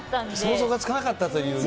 想像がつかなかったというね。